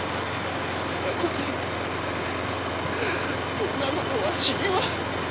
そんなことそんなことわしには！